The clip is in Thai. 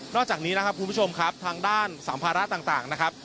จากนี้นะครับคุณผู้ชมครับทางด้านสัมภาระต่างนะครับ